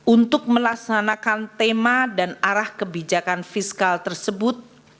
untuk melaksanakan tema dan arah kebijakan fiskal tersebut